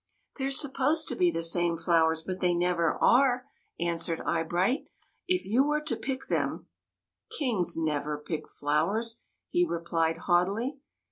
*' They 're supposed to be the same flowers, but they never are," answered Eyebright. " If you were to pick them —"" Kings never pick flowers," he replied haughtily.